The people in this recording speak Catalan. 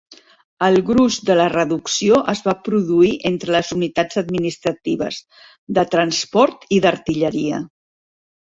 El gruix de la reducció es va produir entre les unitats administratives, de transport i d'artilleria.